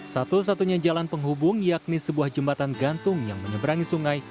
satu satunya jalan penghubung yakni sebuah jembatan gantung yang menyeberangi sungai